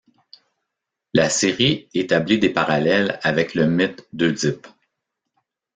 La série établit des parallèles avec le mythe d'Œdipe.